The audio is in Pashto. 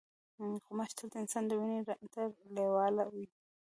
غوماشې تل د انسان وینې ته لیواله وي.